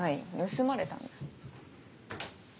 盗まれたんだ。